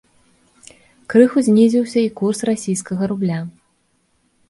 Крыху знізіўся і курс расійскага рубля.